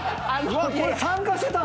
これ参加してたんだ。